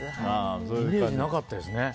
イメージなかったですね。